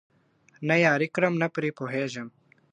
نه یاري کړم نه پرې پوهیږم